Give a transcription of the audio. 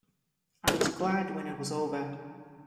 I was glad when it was over.